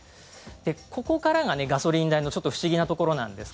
ここからがガソリン代の不思議なところなんですが。